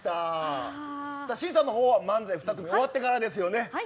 審査の方は漫才２組終わってからですよね。